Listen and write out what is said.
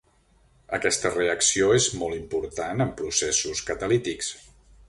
Aquesta reacció és molt important en processos catalítics.